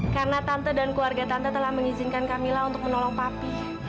karena tante dan keluarga tante telah mengizinkan kamila untuk menolong papi